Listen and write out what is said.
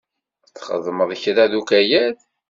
Txedmeḍ kra deg ukayad?